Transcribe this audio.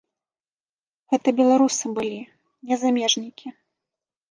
Гэта беларусы былі, не замежнікі.